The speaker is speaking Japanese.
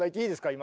今。